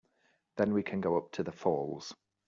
Then we can go up to the falls.